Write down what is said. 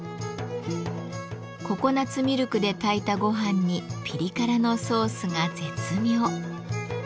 ココナツミルクで炊いたごはんにピリ辛のソースが絶妙。